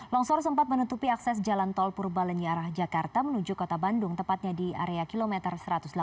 longsor sempat menutupi akses jalan tol purbalenyi arah jakarta menuju kota bandung tepatnya di area kilometer satu ratus delapan puluh